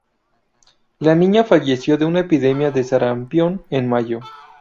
La niña falleció de una epidemia de sarampión en mayo.